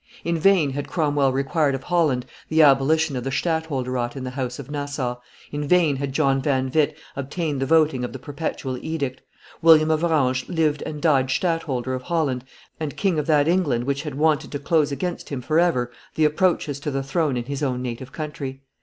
In vain had Cromwell required of Holland the abolition of the stadtholderate in the house of Nassau, in vain had John van Witt obtained the voting of the perpetual edict, William of Orange lived and died stadtholder of Holland and king of that England which had wanted to close against him forever the approaches to the throne in his own native countiy.